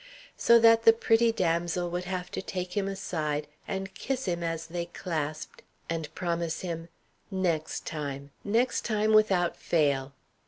So that the pretty damsel would have to take him aside, and kiss him as they clasped, and promise him, "Next time next time, without fail!"